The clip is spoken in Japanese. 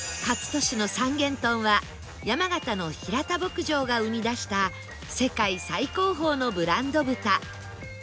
かつ敏の三元豚は山形の平田牧場が生み出した世界最高峰のブランド豚